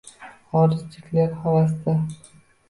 Xorijliklar havasda